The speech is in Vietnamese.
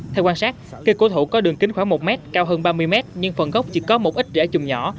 theo quan sát cây cổ thụ có đường kính khoảng một m cao hơn ba mươi m nhưng phần gốc chỉ có một ít rễ chùm nhỏ